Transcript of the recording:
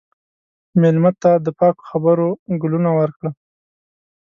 مېلمه ته د پاکو خبرو ګلونه ورکړه.